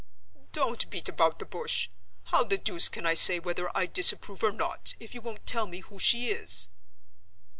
"Don't beat about the bush! How the deuce can I say whether I disapprove or not, if you won't tell me who she is?"